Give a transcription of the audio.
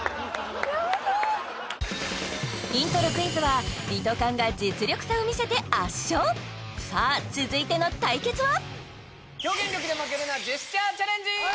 イントロクイズはリトかんが実力差を見せて圧勝さあ続いての対決は？